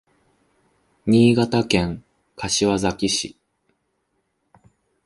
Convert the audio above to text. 新潟県柏崎市